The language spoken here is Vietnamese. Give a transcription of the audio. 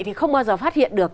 thì không bao giờ phát hiện được